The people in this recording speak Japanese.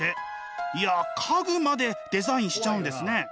いや家具までデザインしちゃうんですね。